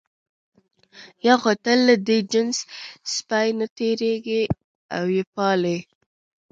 یو خو ته له دې نجس سپي نه تېرېږې او یې پالې.